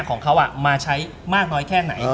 ของเขามาใช้มากน้อยแค่ไหน